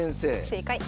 正解。